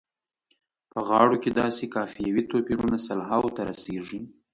په غاړو کې داسې قافیوي توپیرونه سلهاوو ته رسیږي.